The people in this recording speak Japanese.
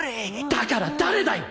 だから誰だよ！